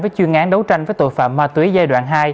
với chuyên án đấu tranh với tội phạm ma túy giai đoạn hai